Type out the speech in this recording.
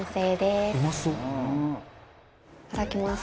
いただきます。